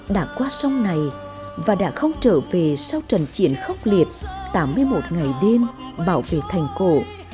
đã qua sông này và đã không trở về sau trận triển khốc liệt tám mươi một ngày đêm bảo vệ thành cổ